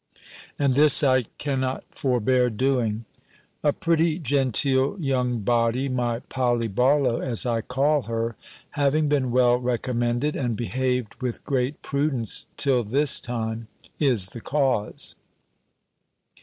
And this I cannot forbear doing. A pretty genteel young body, my Polly Barlow, as I call her, having been well recommended, and behaved with great prudence till this time, is the cause.